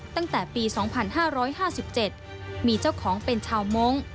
ตั้งแต่ปีสองพันห้าร้อยห้าสิบเจ็ดมีเจ้าของเป็นชาวมงค์